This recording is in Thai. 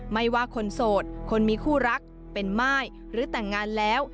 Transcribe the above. ไม่ว่าคนโสดคนมีคู่รักเป็นม่ายหรือแต่งงานแล้ว